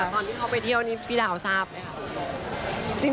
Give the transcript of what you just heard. ตอนที่เขาไปเที่ยวนี้พี่ดาวทราบไหมคะ